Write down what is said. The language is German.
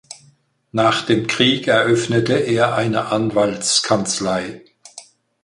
Nach dem Krieg eröffnete er eine Anwaltskanzlei.